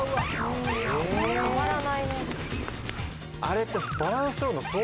あれって。